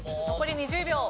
残り２０秒。